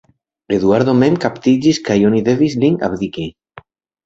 Eduardo mem kaptiĝis kaj oni devis lin abdiki.